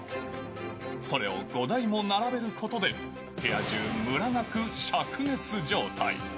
それを５台も並べることで、部屋中、むらなくしゃく熱状態。